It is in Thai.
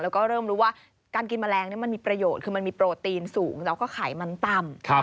แล้วก็เริ่มรู้ว่าการกินแมลงมันมีประโยชน์คือมันมีโปรตีนสูงแล้วก็ไขมันต่ำ